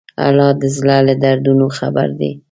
الله د زړه له دردونو خبر دی.